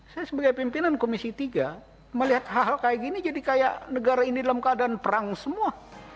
saya sebagai pimpinan komisi tiga melihat hal hal kayak gini jadi kayak negara ini dalam keadaan perang semua